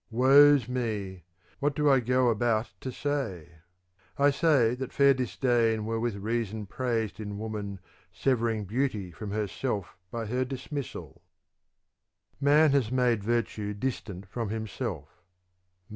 Woe's me ! what do I go about to say ? I say that fair disdain were with reason praised in woman severing beauty from herself by her dismissal. II Man has made virtue distant from himself.